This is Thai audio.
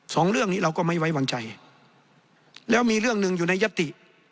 สองเรื่องนี้เราก็ไม่ไว้วางใจแล้วมีเรื่องหนึ่งอยู่ในยติ